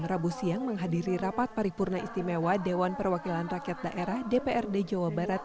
rabu siang menghadiri rapat paripurna istimewa dewan perwakilan rakyat daerah dprd jawa barat